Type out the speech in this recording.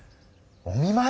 お見まい？